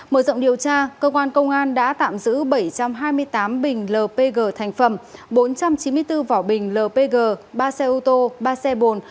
mở rộng điều tra cơ quan công an đã tạm giữ bảy trăm hai mươi tám bình lpg thành phẩm bốn trăm chín mươi bốn vỏ bình lpg ba xe ô tô ba xe bồn